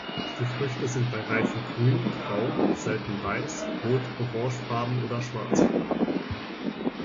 Die Früchte sind bei Reife grün, grau, selten weiß, rot, orangefarben oder schwarz.